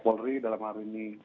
polri dalam hari ini